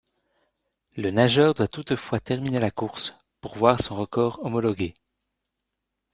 Le nageur doit toutefois terminer la course pour voir son record homologué.